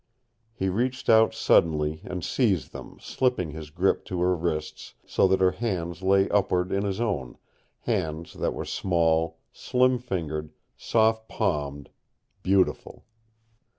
He reached out suddenly and seized them, slipping his grip to her wrists, so that her hands lay upward in his own, hands that were small, slim fingered, soft palmed, beautiful.